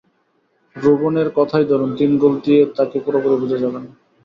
রোবেনের কথাই ধরুন, তিন গোল দিয়ে তাঁকে পুরোপুরি বোঝা যাবে না।